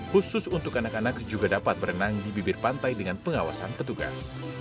khusus untuk anak anak juga dapat berenang di bibir pantai dengan pengawasan petugas